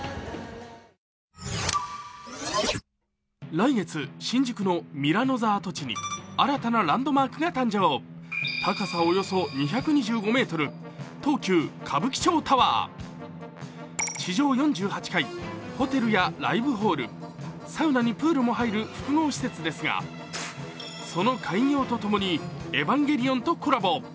来月、新宿のミラノ座跡地に新たなランドマークが誕生高さおよそ２２５ｍ、東急歌舞伎町タワー、地上４８階、ホテルやライブホール、サウナにプールも入る複合施設ですがその開業とともに、「エヴァンゲリオン」とコラボ。